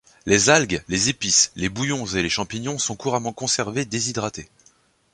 Les algues, les épices, les bouillons et les champignons sont couramment conservés déshydratés.